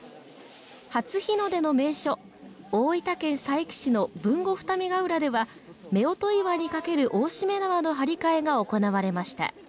初日の出の名所、大分県佐伯市の豊後二見ヶ浦では、夫婦岩にかける大しめ縄の張り替えが行われました。